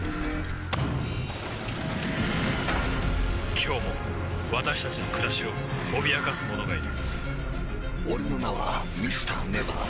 今日も私たちの暮らしを脅かすものがいる俺の名はＭｒ．ＮＥＶＥＲ。